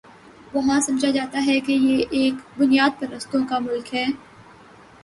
وہاں سمجھا جاتا ہے کہ یہ ایک بنیاد پرستوں کا ملک ہے۔